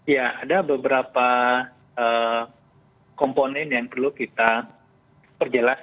ya ada beberapa komponen yang perlu kita perjelas